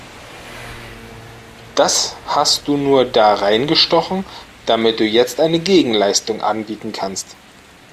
Das hast du nur da reingestochen, damit du jetzt eine Gegenleistung anbieten kannst!